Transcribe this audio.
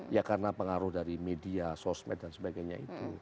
ya karena pengaruh dari media sosmed dan sebagainya itu